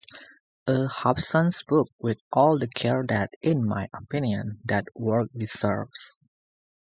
A. Hobson's book, with all the care that, in my opinion, that work deserves.